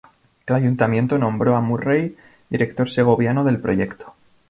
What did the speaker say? El Ayuntamiento nombró a Murray director segoviano del proyecto.